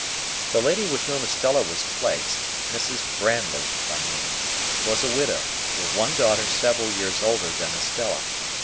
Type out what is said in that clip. The lady with whom Estella was placed, Mrs. Brandley by name, was a widow, with one daughter several years older than Estella.